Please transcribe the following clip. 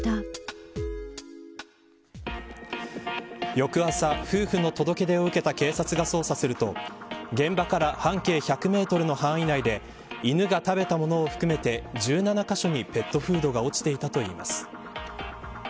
翌朝、夫婦の届け出を受けた警察が捜査すると現場から半径１００メートルの範囲内で犬が食べたものを含めて１７カ所にペットフードが落ちていたといいます。